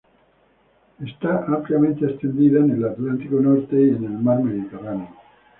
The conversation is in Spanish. Está ampliamente extendida en el Atlántico norte y el mar Mediterráneo.